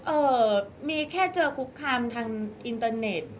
เอ่อมีแค่เจอคุกคามทางอินเตอร์เน็ต